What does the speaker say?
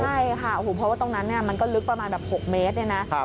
ใช่ค่ะเพราะว่าตรงนั้นมันก็ลึกประมาณ๖เมตร